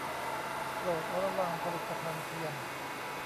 โปรดระวัง 'ผลิตภัณฑ์เทียม' !